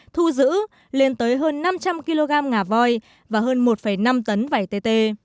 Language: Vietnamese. thu giữ lên tới hơn năm trăm linh kg ngà voi và hơn một năm tấn vẩy tê tê